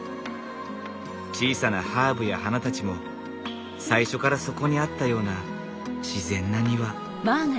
小さなハーブや花たちも最初からそこにあったような自然な庭。